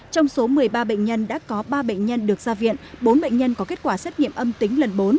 trong số một mươi ba bệnh nhân đã có ba bệnh nhân được ra viện bốn bệnh nhân có kết quả xét nghiệm âm tính lần bốn